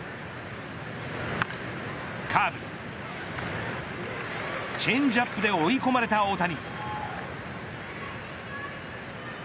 カーブ、チェンジアップで追い込まれた大谷。